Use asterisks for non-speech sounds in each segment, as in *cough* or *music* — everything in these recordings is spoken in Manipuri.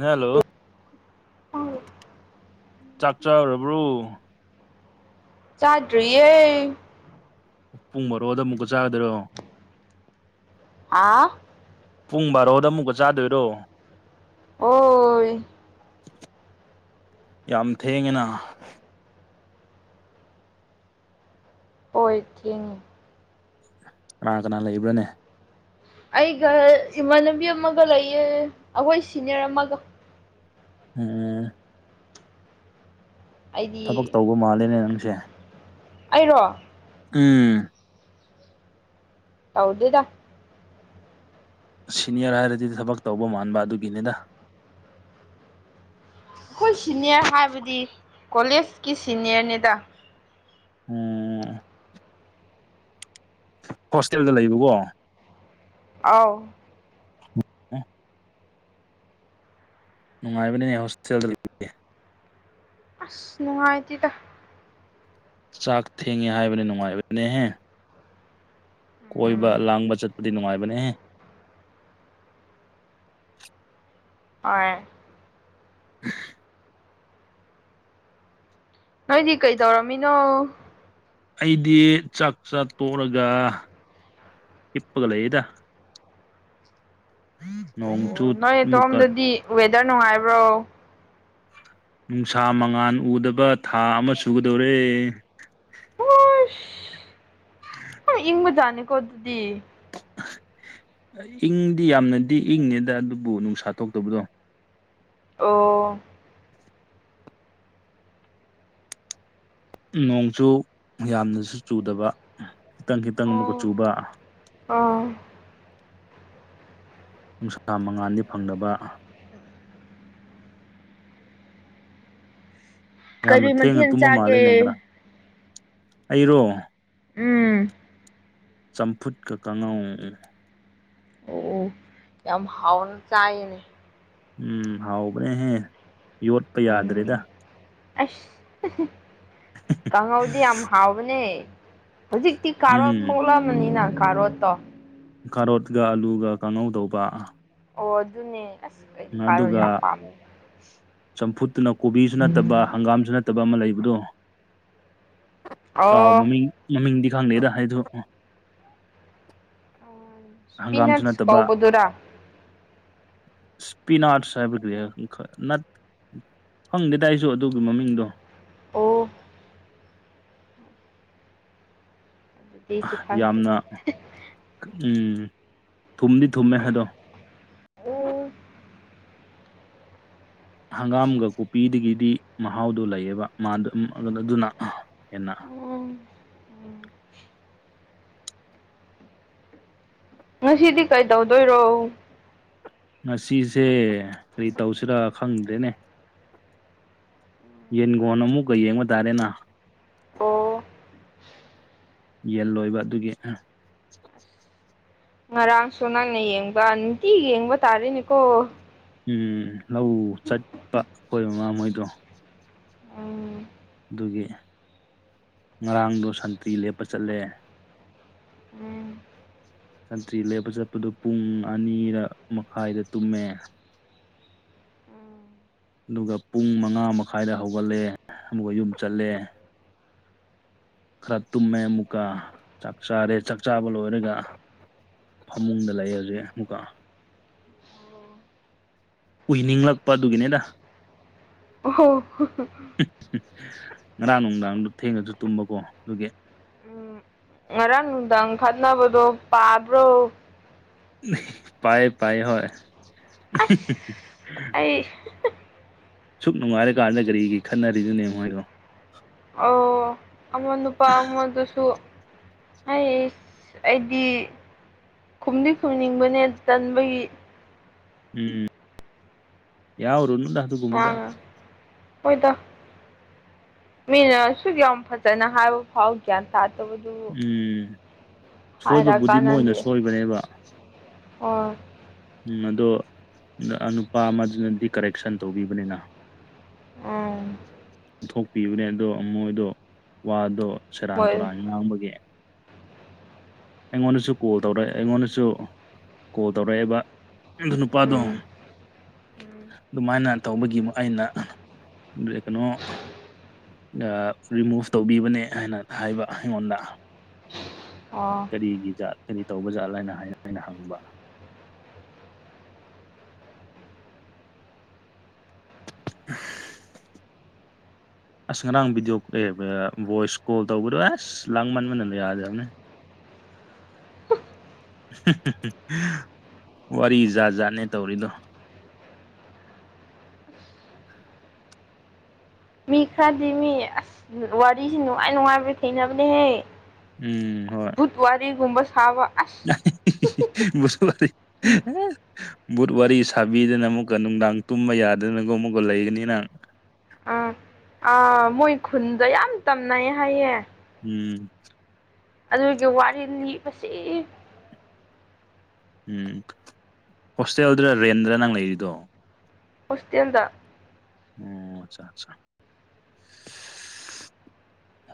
ꯍꯂꯣ ꯇꯥꯏ ꯆꯥꯛ ꯆꯔꯕ꯭ꯔꯣ ꯆꯥꯗ꯭ꯔꯤꯌꯦ ꯄꯨꯡ ꯃꯔꯣꯗ ꯑꯃꯨꯛꯀ ꯆꯥꯒꯗꯣꯏꯔꯣ ꯍꯥ ꯄꯨꯡ ꯕꯥꯔꯣꯗ ꯑꯃꯨꯛꯀ ꯆꯥꯗꯣꯏꯔꯣ ꯍꯣꯏ ꯌꯥꯝ ꯊꯦꯡꯉꯤꯅ ꯑꯣꯏꯊꯦꯡ ꯀꯅꯥ ꯀꯅꯥ ꯂꯩꯕ꯭ꯔꯅꯦ ꯑꯩꯒ ꯏꯃꯥꯟꯅꯕꯤ ꯑꯃꯒ ꯂꯩꯌꯦ ꯑꯩꯈꯣꯏ ꯁꯤꯅꯤꯌꯔ ꯑꯃꯒ ꯎꯝ ꯑꯩꯗꯤ ꯊꯕꯛ ꯇꯧꯕ ꯃꯥꯜꯂꯤꯅꯦ ꯅꯪꯁꯦ ꯑꯩꯔꯣ ꯎꯝ ꯇꯧꯗꯗ ꯁꯤꯅꯤꯌꯔ ꯍꯥꯏꯔꯗꯤ ꯊꯕꯛ ꯇꯧꯕ ꯃꯥꯟꯕ ꯑꯗꯨꯒꯤꯅꯤꯅ ꯑꯩꯈꯣꯏ ꯁꯤꯅꯤꯌꯔ ꯍꯥꯏꯕꯗꯤ ꯀꯣꯂꯦꯖꯀꯤ ꯁꯤꯅꯤꯌꯔꯅꯤꯗ ꯎꯝ ꯍꯣꯁꯇꯦꯜꯗ ꯂꯩꯕꯀꯣ ꯑꯥꯎ ꯑ ꯅꯨꯡꯉꯥꯏꯕꯅꯤꯅꯦ ꯍꯣꯁꯇꯦꯜꯗ ꯂꯩ ꯑꯁ ꯅꯨꯡꯉꯥꯏꯇꯦꯗ ꯆꯥꯛ ꯊꯦꯡꯉꯦ ꯍꯥꯏꯕꯅꯦ ꯅꯨꯡꯉꯥꯏꯕꯅꯦꯍꯦ ꯀꯣꯏꯕ ꯎꯝ ꯂꯥꯡꯕ ꯆꯠꯄꯗꯤ ꯅꯨꯡꯉꯥꯏꯕꯅꯦꯍꯦ ꯍ ꯅꯣꯏꯗꯤ ꯀꯩꯗꯧꯔꯝꯃꯤꯅꯣ ꯑꯩꯗꯤ ꯆꯥꯛ ꯆꯥ ꯇꯣꯛꯂꯒ ꯏꯤꯞꯄꯒ ꯂꯩꯌꯦꯗ ꯅꯣꯡꯆꯨ ꯑꯣ ꯅꯣꯏ ꯑꯃꯨꯛꯀ ꯏꯇꯣꯝꯗꯗꯤ ꯋꯦꯗꯔ ꯅꯨꯡꯉꯥꯏꯕ꯭ꯔꯣ ꯅꯨꯡꯁꯥ ꯃꯉꯥꯜ ꯎꯗꯕ ꯊꯥ ꯑꯃ ꯁꯨꯒꯗꯧꯔꯦ ꯍ ꯏꯪꯕꯖꯥꯅꯤꯀꯣ ꯑꯗꯨꯗꯤ ꯏꯪꯗꯤ ꯌꯥꯝꯅꯗꯤ ꯏꯪꯅꯦꯗ ꯑꯗꯨꯕꯨ ꯅꯨꯡꯁꯥ ꯊꯣꯛꯇꯕꯗꯣ ꯑꯣ ꯅꯣꯡꯁꯨꯨ ꯌꯥꯝꯅꯁꯨ ꯆꯨꯗꯕ ꯈꯤꯇꯪ ꯈꯤꯇꯪ ꯑꯃꯨꯛꯀ ꯑꯣ ꯆꯨꯕ ꯑꯣ ꯅꯨꯡꯁꯥ ꯃꯉꯥꯜꯗꯤ ꯐꯪꯅꯕ ꯌꯥꯝꯅ ꯀꯔꯤ ꯊꯦꯡꯅ ꯃꯊꯦꯜ ꯇꯨꯝꯕ ꯃꯥꯜꯂꯦ ꯅ ꯆꯥꯒꯦ ꯉꯔꯥꯡ ꯑꯩꯔꯣ ꯎꯝ ꯆꯝꯐꯨꯠꯀ ꯀꯥꯡꯉꯧ ꯑꯣ ꯌꯥꯝ ꯍꯥꯎꯅ ꯆꯥꯏꯅꯦ ꯎꯝ ꯍꯥꯎꯕꯅꯦꯍꯦ ꯌꯣꯠꯄ ꯌꯥꯗ꯭ꯔꯦꯗ ꯎꯝ ꯑꯁ ꯀꯥꯡꯍꯧꯗꯤ ꯌꯥꯝ ꯍꯥꯎꯕꯅꯦ ꯍꯧꯖꯤꯛꯇꯤ ꯀꯥꯔꯣꯠ ꯎꯝ ꯊꯣꯛꯂꯝꯕꯅꯤꯅ ꯀꯥꯔꯣꯠꯇꯣ ꯈꯥꯔꯣꯠꯀ ꯑꯂꯨꯒ ꯀꯥꯡꯥꯅꯧ ꯇꯧꯕ ꯑꯣ ꯑꯗꯨꯅꯦ ꯑꯁ ꯑꯩꯗꯤ ꯀꯥꯔꯣꯠ ꯑꯗꯨꯒ ꯌꯥꯝ ꯄꯥꯝꯃꯦ ꯆꯝꯐꯨꯠꯇꯨꯅ ꯀꯣꯕꯤꯁꯨ ꯅꯠꯇꯕ ꯍꯪꯒꯥꯝꯁꯨ ꯅꯠꯇꯕ ꯑꯃ ꯂꯩꯕꯗꯣ ꯀꯥꯎ ꯑꯣ ꯃꯃꯤꯡ ꯃꯃꯤꯡꯗꯤ ꯈꯪꯗꯩꯗ ꯍꯥꯏꯗꯗꯨ ꯍꯪꯒꯥꯝꯁꯨ ꯏꯁꯄꯤꯅꯠꯁ ꯅꯠꯇꯕ ꯀꯧꯕꯗꯨꯔꯥ ꯁꯄꯤꯤꯟꯥꯔꯁ ꯍꯥꯏꯕ ꯈꯪꯗꯦꯗꯥ ꯑꯩꯁꯨ ꯑꯗꯨꯒꯤ ꯃꯃꯤꯡꯗꯣ ꯑꯣ ꯑꯗꯨꯗꯤꯁꯨ ꯈꯪꯗꯦ ꯌꯥꯝꯅ ꯎ ꯊꯨꯝꯗꯤ ꯊꯨꯝꯃꯦ ꯑꯗꯣ *unintelligible* ꯍꯪꯒꯥꯝꯒ ꯀꯨꯞꯄꯤꯗꯒꯤꯗꯤ ꯃꯍꯥꯎꯗꯨꯣ ꯂꯩꯌꯦꯕ ꯃꯥ ꯑꯗꯨꯅ ꯍꯦꯟꯅ ꯎꯝ ꯉꯁꯤꯗꯤ ꯀꯩꯗꯧꯗꯣꯏꯔꯣ ꯉꯁꯤꯁꯦ ꯀꯔꯤ ꯇꯧꯁꯤꯔꯥ ꯈꯪꯗ꯭ꯔꯦꯅꯦ ꯌꯦꯟꯈꯣ ꯑꯃꯨꯛꯀ ꯌꯦꯡꯕ ꯇꯥꯔꯦꯅ ꯑꯣ ꯌꯦꯟ ꯂꯣꯏꯕ ꯑꯗꯨꯒꯤ ꯉꯔꯥꯡꯁꯨ ꯅꯪꯅ ꯌꯦꯡꯕ ꯅꯨꯡꯇꯤ ꯌꯦꯡꯕ ꯇꯥꯔꯤꯦꯅꯦꯀꯣ ꯎꯝ ꯂꯧ ꯆꯠꯄ ꯑꯩꯣꯏ ꯃꯃꯥꯍꯣꯏꯗꯣ ꯎꯝ ꯑꯗꯨꯒꯤ ꯉꯔꯥꯡꯗꯣ ꯁꯥꯟꯇꯤ ꯂꯦꯞꯄ ꯆꯠꯂꯦ ꯎꯝ ꯁꯟꯇ꯭ꯔꯤ ꯂꯦꯞꯄ ꯆꯠꯄꯗꯨꯣ ꯄꯨꯡ ꯑꯅꯤꯔ ꯃꯈꯥꯏꯗ ꯇꯨꯝꯃꯦ ꯑꯗꯨꯒ ꯄꯨꯡ ꯃꯉꯥ ꯃꯈꯥꯏꯗ ꯍꯧꯒꯠꯂꯦ ꯑꯃ ꯌꯨꯝ ꯆꯠꯂꯦ ꯈꯔ ꯇꯨꯝꯃꯦ ꯑꯃꯨꯛꯀ ꯆꯥꯛ ꯆꯥꯔꯦ ꯆꯥꯛ ꯆꯥꯕ ꯂꯣꯏꯔꯒ ꯐꯃꯨꯡꯗ ꯂꯩ ꯍꯧꯖꯤꯛ ꯑꯃꯨꯛꯀ ꯎꯏꯅꯤꯡꯂꯛꯄ ꯑꯗꯨꯒꯤꯅꯤꯗ ꯍ ꯉꯔꯥꯡ ꯅꯨꯡꯗꯥꯡꯗ ꯊꯦꯡꯉꯁꯨ ꯇꯨꯝꯕꯀꯣ ꯑꯗꯨꯒꯤ ꯑꯥ ꯉꯔꯥꯡ ꯅꯨꯡꯊꯪ ꯈꯠꯅꯕꯗꯣ ꯄꯥꯕ꯭ꯔꯣ ꯄꯥꯏ ꯄꯥꯏ ꯍ ꯑꯁ ꯑꯩ ꯁꯨꯛ ꯅꯨꯡꯉꯥꯏꯔ ꯀꯥꯟꯗ ꯔꯤꯒꯤ ꯈꯠꯅꯔꯤꯗꯨꯅꯦ ꯃꯣꯏꯅꯣ ꯑꯣ ꯑꯃ ꯅꯨꯄꯥ ꯑꯃꯗꯨꯁꯨ ꯍꯥꯏ ꯑꯩꯗꯤ ꯈꯨꯝꯗꯤ ꯈꯨꯝꯅꯤꯡꯕꯅꯦ ꯇꯟꯕꯒꯤ ꯎꯝ ꯌꯥꯎꯔ ꯑ ꯍꯣꯏꯗ ꯃꯤꯅ ꯑꯁꯨꯛ ꯌꯥꯝ ꯐꯖꯅ ꯍꯥꯏꯔꯨ ꯍꯧꯀꯦ ꯇ ꯇꯕꯗꯨ ꯎꯝ ꯁꯣꯏꯕꯕꯨꯗꯤ ꯃꯣꯏꯅ ꯁꯣꯏꯕꯅꯦꯕ ꯑꯣ ꯎꯝ ꯑꯗꯣ ꯅꯨꯄꯥ ꯑꯃꯗꯨꯅꯗꯤ ꯀꯔꯦꯛꯁꯟ ꯇꯧꯕꯤꯕꯅꯤꯅ ꯑ ꯄꯨꯊꯣꯛꯄꯤꯕꯅꯦ ꯑꯗꯣ ꯃꯣꯏꯗꯣ ꯋꯥꯗꯣ ꯁꯦꯔꯥꯟ ꯃꯣꯏ ꯇꯨꯔꯥꯟ ꯉꯥꯡꯕꯒꯤ ꯑꯩꯉꯣꯟꯗꯁꯨ ꯀꯣꯜ ꯇꯧꯔꯛꯑꯦ ꯑꯩꯉꯣꯟꯗꯁꯨ ꯀꯣꯜ ꯇꯧꯔꯛꯦꯕ ꯅꯨꯄꯥꯗꯣ ꯎꯝ ꯎꯝ ꯑꯗꯨꯃꯥꯏꯅ ꯇꯧꯕꯒꯤ ꯑꯩꯅ ꯀꯩꯅꯣ ꯔꯤꯃꯨꯚ ꯇꯧꯕꯤꯕꯅꯦ ꯍꯥꯏꯅ ꯍꯥꯏꯕ ꯑꯩꯉꯣꯟꯗ ꯑꯣ ꯀꯔꯤꯒꯤ ꯖꯥꯠ ꯀꯔꯤ ꯇꯧꯕ ꯖꯥꯠꯂ ꯍꯥꯏꯅ ꯍꯥꯏ ꯍꯥꯏꯩꯅ ꯍꯪꯕ *unintelligible* ꯑꯁ ꯉꯔꯥꯡ ꯚꯗꯤꯑꯣ ꯚꯣꯏꯁ ꯀꯣꯜ ꯇꯧꯕꯗꯣ ꯑꯁ ꯂꯥꯡ ꯃꯟ ꯃꯅ ꯌꯥꯗꯕꯅꯦ ꯋꯥꯔꯤ ꯖꯥꯠ ꯖꯥꯠꯅꯦ ꯇꯧꯔꯤꯗꯣ ꯃꯤ ꯈꯔꯗꯤ ꯃꯤ ꯑꯁ ꯋꯥꯔꯤꯁꯤ ꯅꯨꯡꯉꯥꯏ ꯅꯨꯡꯉꯥꯏꯕ ꯊꯦꯡꯅꯕꯅꯦꯍꯦ ꯎꯝ ꯍꯣꯏ ꯇ ꯄꯨꯋꯥ ꯋꯥꯔꯤꯔꯤꯒꯨꯝꯕ ꯊꯕ ꯑꯁ ꯁꯂ ꯕꯨꯠ ꯋꯥꯔꯤ ꯁꯥꯕꯤꯗꯅ ꯑꯃꯨꯛꯀ ꯅꯨꯡꯗꯥꯡ ꯇꯨꯝꯕ ꯌꯥꯗꯅꯒ ꯑꯃꯨꯛꯀ ꯂꯩꯒꯅꯤꯅ ꯑꯥ ꯑꯥ ꯃꯣꯏ ꯈꯨꯟꯗ ꯌꯥꯝ ꯇꯝꯅꯩ ꯍꯥꯏꯌꯦꯦ ꯎꯝ ꯑꯗꯨꯒꯤ ꯋꯥꯔꯤ ꯂꯤꯕꯁꯤ ꯎꯝ ꯍꯣꯁꯇꯦꯜꯗꯔ ꯔꯦꯟꯗ꯭ꯔ ꯅꯪ ꯂꯩꯔꯤꯗꯣ ꯍꯧꯁꯇꯦꯟꯗ ꯎꯝ ꯑꯆꯥ ꯑꯆꯥ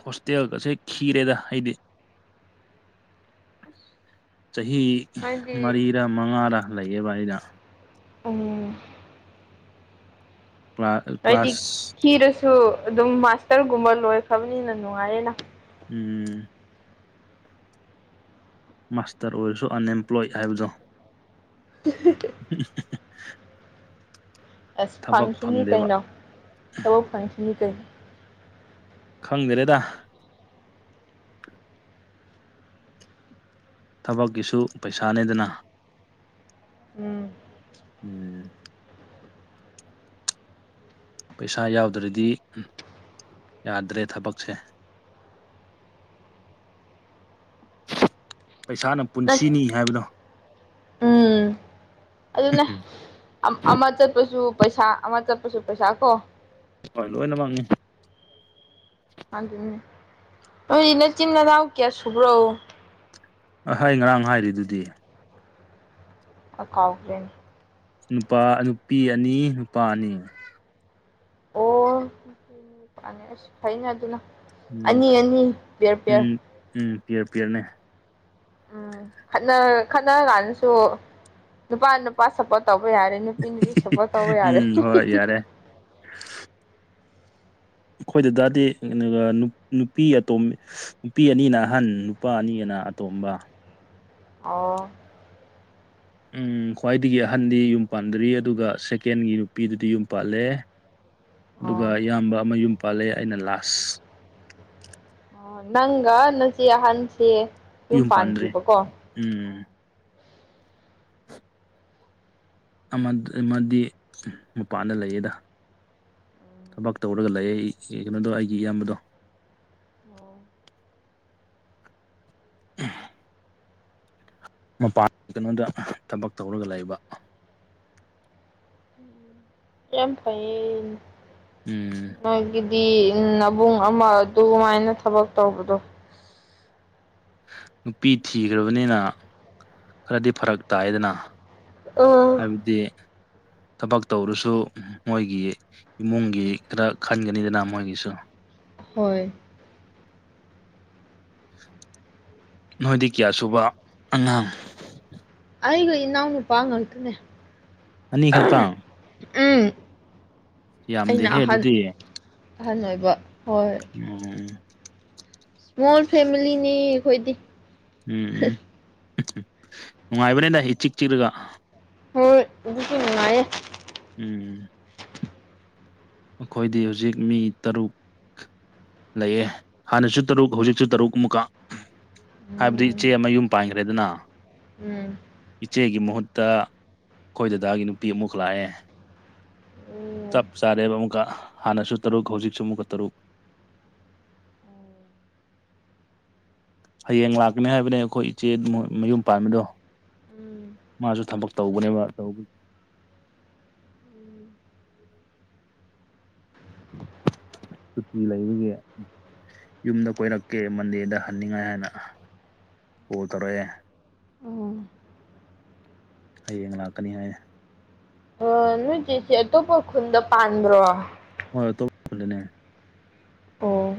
ꯍꯣꯁꯇꯦꯜꯒꯁꯦ ꯈꯤꯔꯦꯗ ꯍꯥꯏꯗꯤ ꯆꯍꯤ ꯍꯥꯏꯗꯤ ꯃꯔꯤꯔ ꯃꯉꯥꯔꯥ ꯂꯩꯌꯦꯕ ꯑꯩꯅ ꯑꯪ ꯀ꯭ꯂꯥ ꯀ꯭ꯂꯥꯁ ꯈꯤꯔꯁꯨ ꯑꯗꯨꯝ ꯃꯥꯁꯇꯔꯒꯨꯝꯕ ꯂꯣꯏꯈ꯭ꯔꯕꯅꯤꯅ ꯅꯨꯡꯉꯥꯏꯔꯦꯅ ꯎꯝ ꯃꯥꯁꯇꯔ ꯑꯣꯏꯔꯁꯨ ꯑꯟꯑꯦꯝꯄ꯭ꯂꯣꯏ ꯍꯥꯏꯕꯗꯣ ꯑꯁ ꯊꯕꯛ ꯐꯪꯈꯤꯅꯤ ꯐꯪꯗꯦꯕ ꯀꯩꯩꯅꯣ ꯊꯕꯛ ꯐꯪꯈꯤꯅꯤ ꯀꯩꯩ ꯈꯪꯗ꯭ꯔꯦꯗ ꯊꯕꯛꯀꯤꯁꯨ ꯄꯩꯁꯥꯅꯦꯗꯅ ꯎꯝ ꯎꯝ ꯄꯩꯁꯥ ꯌꯥꯎꯗ꯭ꯔꯗꯤ ꯌꯥꯗ꯭ꯔꯦ ꯊꯕꯛꯁꯦ ꯄꯩꯁꯥꯅ ꯅꯠ ꯄꯨꯟꯁꯤꯅꯤ ꯍꯥꯏꯕꯗꯣ ꯎꯝ ꯑꯗꯨꯅꯦ ꯑꯝ ꯑꯃ ꯆꯠꯄꯁꯨ ꯄꯩꯁꯥ ꯑꯃ ꯆꯠꯄꯁꯨ ꯄꯩꯁꯥ ꯀꯣ ꯍꯣꯏ ꯂꯣꯏꯅ ꯃꯛꯅꯤ *unintelligible* ꯅꯣꯏ ꯅꯆꯤꯟ ꯅꯅꯥꯎ ꯀꯌꯥ ꯁꯨꯕ꯭ꯔꯣ ꯑ ꯑꯩ ꯉꯔꯥꯡ ꯍꯥꯏꯔꯤꯗꯨꯗꯤ ꯑ ꯀꯥꯎꯒ꯭ꯔꯦꯟ ꯅꯨꯄꯥ ꯅꯨꯄꯤ ꯑꯅꯤ ꯅꯨꯄꯥ ꯑꯅꯤ ꯑꯣ ꯈꯪꯉꯦ ꯑꯁ ꯐꯥꯏꯅꯦ ꯑꯗꯨꯅ ꯎꯝ ꯑꯅꯤ ꯑꯅꯤ ꯄꯤꯌꯔ ꯄꯤꯌꯔ ꯎꯝ ꯎꯝ ꯄꯤꯌꯔ ꯄꯤꯌꯔꯅꯦ ꯎꯝ ꯈꯠꯅꯔ ꯈꯠꯅ ꯀꯥꯟꯗꯁꯨ ꯅꯨꯄꯥ ꯅꯨꯄꯥ ꯁꯞꯄꯣꯔꯠ ꯇꯧꯕ ꯌꯥꯔꯦ ꯅꯨꯄꯤ ꯅꯨꯄꯤ ꯁꯞꯄꯣꯠ ꯇꯧꯕ ꯌꯥꯔꯦ ꯎꯝ ꯍꯣꯏ ꯌꯥꯔꯦ ꯑꯩꯈꯣꯏ ꯗꯥꯗꯥꯗꯤ ꯑꯗꯨꯒ ꯅꯨꯞ ꯅꯨꯄꯤ ꯑꯇꯣꯝ ꯅꯨꯄꯤ ꯑꯅꯤꯅ ꯑꯍꯟ ꯅꯨꯄꯥ ꯑꯅꯤ ꯑꯅ ꯑꯇꯣꯝꯕ ꯑꯣ ꯎꯝ ꯈ꯭ꯋꯥꯏꯗꯒꯤ ꯑꯍꯟꯗꯤ ꯌꯨꯝ ꯄꯥꯟꯗ꯭ꯔꯤ ꯑꯗꯨꯒ ꯁꯦꯀꯦꯟꯒꯤ ꯅꯨꯄꯤꯗꯨꯗꯤ ꯌꯨꯝ ꯄꯥꯜꯂꯦ ꯑꯗꯨꯒ ꯑꯣ ꯏꯌꯥꯝꯕ ꯑꯃ ꯌꯨꯝ ꯄꯥꯜꯂꯦ ꯑꯩꯅ ꯂꯥꯁ ꯑꯣ ꯅꯪꯒ ꯅꯆꯦ ꯑꯍꯟꯁꯤ ꯌꯨꯝ ꯄꯥꯟꯗ꯭ꯔꯤ ꯎꯝ ꯑꯃꯠ ꯑꯃꯗꯤ ꯃꯄꯥꯟꯗ ꯂꯩꯌꯦꯗ ꯊꯕꯛ ꯇꯧꯔꯒ ꯂꯩꯌꯦ ꯑꯩ ꯀꯩꯅꯣꯗꯣ ꯑꯩꯒꯤ ꯏꯌꯥꯝꯕꯗꯣ ꯑꯣ ꯑ ꯃꯄꯥꯟ ꯀꯩꯅꯣꯗ ꯊꯕꯛ ꯇꯧꯔꯒ ꯂꯩꯕ꯫ ꯌꯥꯝ ꯐꯩꯌꯦ ꯎꯝ ꯃꯣꯏꯒꯤ꯫ ꯗꯤ ꯅꯕꯨꯡ ꯑꯃ ꯑꯗꯨꯃꯥꯏꯅ ꯊꯕꯛ ꯇꯧꯕꯗꯣ꯫ ꯅꯨꯄꯤ ꯊꯤꯈ꯭ꯔꯕꯅꯤꯅ ꯈꯔꯗꯤ ꯐꯔꯛ ꯇꯥꯏꯗꯅ꯫ ꯑꯥ ꯍꯥꯏꯕꯗꯤ ꯊꯕꯛ ꯇꯧꯔꯁꯨ ꯃꯣꯏꯒꯤ ꯏꯃꯨꯡꯒꯤ ꯈꯔ ꯈꯟꯒꯅꯤꯗꯅ ꯃꯣꯏꯒꯤꯁꯨ ꯍꯣꯏ꯫ ꯅꯣꯏꯗꯤ ꯀꯌꯥ ꯁꯨꯕ ꯑꯉꯥꯡ ꯑꯩꯒ ꯏꯅꯥꯎ ꯅꯨꯄꯥ ꯉꯥꯛꯇꯅꯦ ꯑꯅꯤ ꯈꯛꯇꯪ ꯎꯝ ꯑꯩꯅ ꯌꯥꯝꯗꯦꯍꯦ ꯑꯍꯟ ꯑꯗꯨꯗꯤ ꯑꯍꯟ ꯑꯣꯏꯕ ꯍꯣꯏ ꯑꯣ꯫ ꯏꯁꯃꯣꯜ ꯐꯦꯃꯤꯂꯤꯅꯦ ꯑꯩꯈꯣꯏꯗꯤ꯫ ꯎꯝ ꯎꯝ ꯅꯨꯡꯉꯥꯏꯕꯅꯦꯗ ꯏꯆꯤꯛ ꯆꯤꯛꯂꯒ ꯍꯣꯏ ꯑꯗꯨꯁꯨ ꯅꯨꯡꯉꯥꯏꯌꯦ꯫ ꯎꯝ꯫ ꯑꯩꯈꯣꯏꯗꯤ ꯍꯧꯖꯤꯛ ꯃꯤ ꯇꯔꯨꯛ꯫ ꯂꯩꯌꯦ ꯍꯥꯟꯅꯁꯨ ꯇꯔꯨꯛ ꯍꯧꯖꯤꯛꯁꯨ ꯇꯔꯨꯛ ꯑꯃꯨꯛꯀ꯫ ꯍꯥꯏꯕꯗꯤ ꯎꯝ ꯏꯆꯦ ꯑꯃ ꯌꯨꯝ ꯄꯥꯟꯒ꯭ꯔꯦꯗꯅ ꯎꯝ꯫ ꯏꯆꯦꯒꯤ ꯃꯍꯨꯠꯇ ꯑꯩꯈꯣꯏ ꯗꯗꯥꯒꯤ ꯅꯨꯄꯤ ꯑꯃꯨꯛ ꯂꯥꯛꯑꯦ ꯎꯝ ꯆꯞ ꯆꯥꯔꯦꯕ ꯑꯃꯨꯛꯀ ꯍꯥꯟꯅꯁꯨ ꯇꯔꯨꯛ ꯍꯧꯖꯤꯛꯁꯨ ꯑꯃꯨꯛꯀ ꯇꯔꯨꯛ꯫ *inaudible* ꯍꯌꯦꯡ ꯂꯥꯛꯀꯅꯤ ꯍꯥꯏꯕꯅꯦ ꯑꯩꯈꯣꯏ ꯏꯆꯦ ꯃꯌꯨꯝ ꯄꯥꯟꯕꯗꯣ꯫ ꯎꯝ ꯃꯥꯁꯨ ꯊꯕꯛ ꯇꯧꯕꯅꯦꯕ ꯇꯧꯕꯒꯤ ꯁꯨꯇꯤ ꯂꯩꯕꯒꯤ꯫ ꯌꯨꯝꯗ ꯀꯣꯏꯔꯛꯀꯦ ꯃꯟꯗꯦꯗ ꯍꯟꯅꯤꯡꯉꯥꯏ ꯍꯥꯏꯅ ꯀꯣꯜ ꯇꯧꯔꯥꯛꯑꯦ ꯎꯝ ꯍꯌꯦꯡ ꯂꯥꯛꯀꯅꯤ ꯍꯥꯏ ꯅꯣꯏ ꯆꯦꯁꯤ ꯑꯇꯣꯞꯄ ꯈꯨꯟꯗ ꯄꯥꯟꯕ꯭ꯔꯣ ꯍꯣꯏ ꯑꯇꯣꯞꯄ ꯈꯨꯟꯗꯅꯦ꯫ ꯑꯣ꯫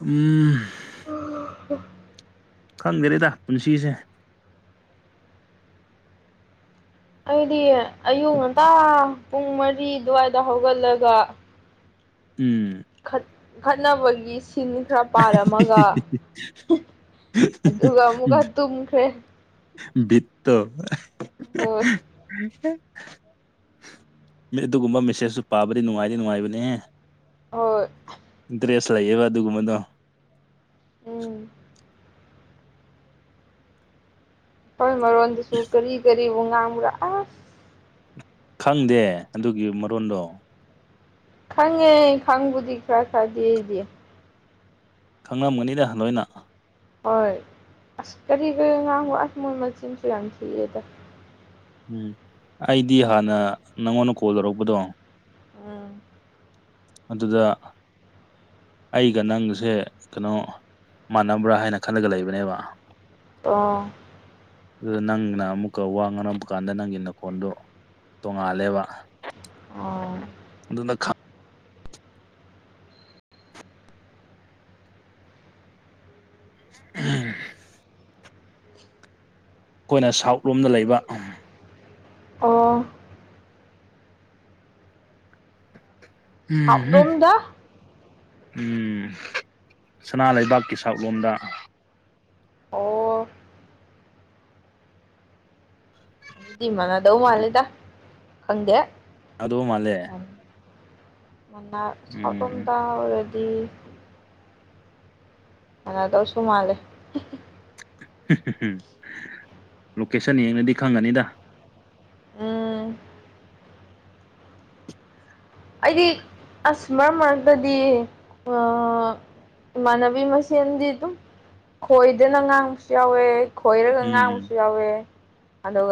ꯎꯝ꯫ ꯈꯪꯗꯔꯦꯗ ꯄꯨꯟꯁꯤꯁꯦ꯫ ꯑꯩꯗꯤ ꯑꯌꯨꯛ ꯉꯟꯇꯥ ꯄꯨꯡ ꯃꯔꯤ ꯑꯗꯨꯋꯥꯏꯗ ꯍꯧꯒꯠꯂꯒ꯫ ꯎꯝ꯫ ꯈꯠꯅꯕꯒꯤ ꯁꯤꯟ ꯈꯔ ꯄꯥꯔꯝꯃꯒ ꯑꯗꯨꯒ ꯑꯃꯨꯛꯀ ꯇꯨꯝꯈ꯭ꯔꯦ꯫ ꯕꯤꯠꯇꯣ ꯍꯣꯏ ꯃꯤ ꯑꯗꯨꯒꯨꯝꯕ ꯃꯦꯁꯦꯖꯁꯨ ꯄꯥꯕꯗꯤ ꯅꯨꯡꯉꯥꯏꯗꯤ ꯅꯨꯡꯉꯥꯏꯕꯅꯦꯍꯦ꯫ ꯍꯣꯏ ꯏꯟꯇ꯭ꯔꯦꯁ ꯂꯩꯥꯛꯌꯦꯕ ꯑꯗꯨꯒ ꯃꯗꯣ ꯎꯝ ꯑꯩꯈꯣꯏ ꯃꯔꯣꯟꯗꯁꯨ ꯀꯔꯤ ꯀꯔꯤꯕꯨ ꯉꯥꯡꯕ꯭ꯔꯥ ꯑꯁ ꯈꯪꯗꯦ ꯑꯗꯨꯒꯤ ꯃꯔꯣꯟꯗꯣ꯫ ꯈꯪꯉꯦ ꯈꯪꯕꯨꯗꯤ ꯈꯔ ꯈꯔꯗꯤ ꯗꯤ꯫ ꯈꯪꯂꯝꯒꯅꯤꯗ ꯂꯣꯏꯅ꯫ ꯍꯣꯏ ꯑꯁ ꯀꯔꯤ ꯀꯔꯤ ꯉꯥꯡꯕ ꯑꯁ ꯃꯣꯏ ꯃꯆꯤꯟꯁꯨ ꯌꯥꯝ ꯊꯤꯏꯗ꯫ ꯎꯝ ꯑꯩꯗꯤ ꯍꯥꯟꯅ ꯅꯪꯉꯣꯟꯗ ꯀꯣꯜ ꯂꯧꯔꯛꯄꯗꯣ ꯎꯝ ꯑꯗꯨꯗ ꯑꯩꯒ ꯅꯪꯁꯦ ꯀꯩꯅꯣ ꯃꯥꯟꯅꯕ꯭ꯔꯥ ꯍꯥꯏꯅ ꯈꯜꯂꯒ ꯂꯩꯕꯅꯦꯕ ꯑꯣ ꯑꯗꯨꯗ ꯅꯪꯅ ꯑꯃꯨꯛꯀ ꯋꯥꯡ ꯉꯅ ꯑꯃꯨꯛ ꯀꯥꯟꯗ ꯅꯪꯒꯤ ꯅꯀꯣꯟꯗꯨꯣ ꯇꯣꯡꯉꯥꯜꯂꯦꯕ ꯑꯣ ꯑꯗꯨꯅ ꯎꯝ ꯑꯩꯈꯣꯏꯅ ꯁꯥꯎꯠ ꯂꯣꯝꯗ ꯂꯩꯕ ꯑꯣ ꯎꯝ ꯁꯞꯔꯣꯝꯗ ꯁꯅꯥ ꯂꯩꯕꯥꯛꯀꯤ ꯁꯛꯂꯣꯝꯗ ꯑꯣ ꯑꯗꯨꯗꯤꯃꯅꯗꯧ ꯑꯗꯨ ꯃꯥꯜꯂꯦꯗ ꯈꯪꯗꯦ ꯑꯗꯨ ꯃꯥꯜꯂꯦ ꯃ ꯁꯇꯣꯟ ꯎꯝ ꯇ ꯔꯦꯗꯤ ꯑꯅꯥꯗꯣ ꯁꯣꯨꯝꯥꯂꯦ ꯝ ꯂꯣꯀꯦꯁꯟ ꯌꯦꯡꯅꯗꯤ ꯈꯪꯒꯅꯤꯗ ꯎꯝ ꯑꯩꯗꯤ ꯑꯁ ꯃꯔꯛ ꯃꯔꯛꯇꯗꯤ ꯑ ꯏꯃꯥꯟꯅꯕꯤ ꯃꯁꯦꯟꯗꯤ ꯑꯗꯨꯝ ꯈꯣꯏꯗꯅ ꯉꯥꯡꯕꯁꯨ ꯌꯥꯎꯋꯦ ꯈꯣꯏꯔꯒ ꯎꯝ ꯉꯥꯡꯕꯁꯨ ꯌꯥꯎꯋꯦ ꯑꯗꯨꯒ